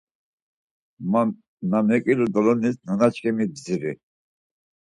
Na mekilu dolonis nanaçkimi bdziri.